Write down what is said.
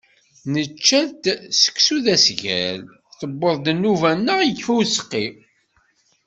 Nečča-d seksu d asgal. Tewweḍ-d nnuba-nneɣ, yekfa useqqi.